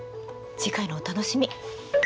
次回のお楽しみ。